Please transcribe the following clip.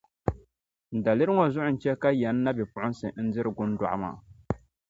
Daliri ŋɔ zuɣu n-chɛ ka Yani nabipuɣinsi n-diri Gundɔɣu maa.